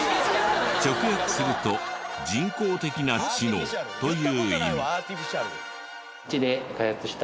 直訳すると人工的な知能という意味。